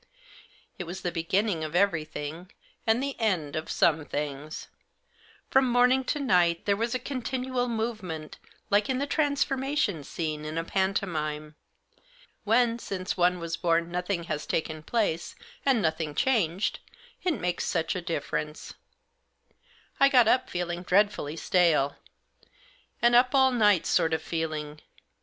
It was the beginning of everything and the end of some things. From morning to night there was continual movement like in the transformation scene in a pantomime. When, since one was born, nothing has taken place, and nothing changed, it makes such a difference. I got up feeling dreadfully stale; an up all night sort of feeling.